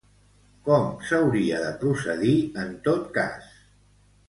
Com s'hauria de procedir, en tot cas?